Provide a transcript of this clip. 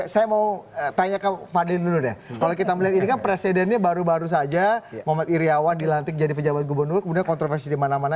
saya mau tanya ke fadil dulu deh kalau kita melihat ini kan presidennya baru baru saja muhammad iryawan dilantik jadi pejabat gubernur kemudian kontroversi di mana mana